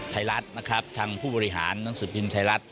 ไทยรัฐนะครับทางผู้บริหารหนังสือพิมพ์ไทยรัฐ